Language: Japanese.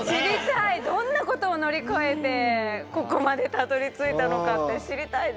どんなことを乗り越えてここまでたどりついたのかって知りたいです。